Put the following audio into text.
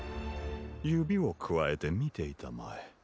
ゆびをくわえてみていたまえ。